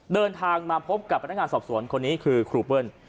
เดินทางมาพบกับพนักงานสอบสวนคนนี้คือครูเปิ้ล